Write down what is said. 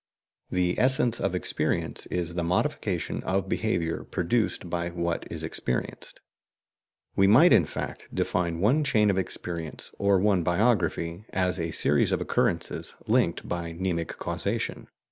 The essence of "experience" is the modification of behaviour produced by what is experienced. We might, in fact, define one chain of experience, or one biography, as a series of occurrences linked by mnemic causation.